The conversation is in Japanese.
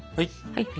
はい。